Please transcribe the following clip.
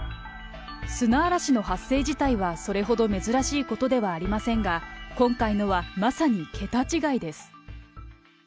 砂嵐の発生自体はそれほど珍しいことではありませんが、今回のはまさに桁違いです。